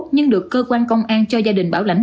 nhưng được cơ quan công an cho gia đình bảo lãnh